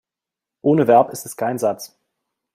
Ohne Verb ist es kein Satz.